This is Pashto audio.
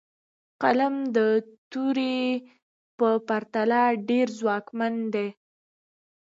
قلم د تورې په پرتله ډېر ځواکمن دی.